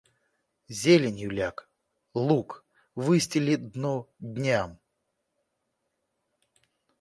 Зеленью ляг, луг, выстели дно дням.